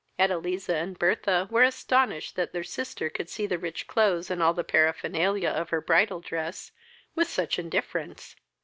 Edeliza and Bertha were astonished that their sister could see the rich clothes, and all the paraphernalia of her bridal dress, with such indifference.